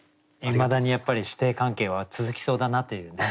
いまだにやっぱり師弟関係は続きそうだなというね。